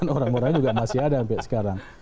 orang orang juga masih ada sampai sekarang